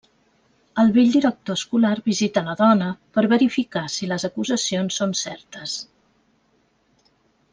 El vell director escolar visita la dona per verificar si les acusacions són certes.